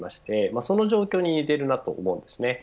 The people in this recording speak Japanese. その状況に似ていると思います。